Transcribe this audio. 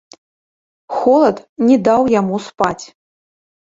Холад не даў яму спаць.